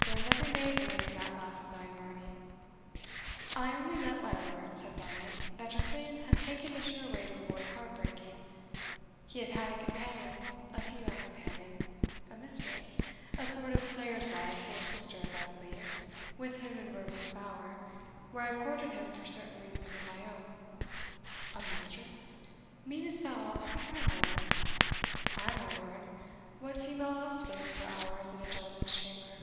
There is ever knavery in that laugh of thine, Varney." "I only meant, my lord," said Varney, "that Tressilian has taken the sure way to avoid heart breaking. He hath had a companion a female companion a mistress a sort of player's wife or sister, as I believe with him in Mervyn's Bower, where I quartered him for certain reasons of my own." "A mistress! meanest thou a paramour?" "Ay, my lord; what female else waits for hours in a gentleman's chamber?"